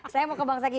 saya mau ke bang jaki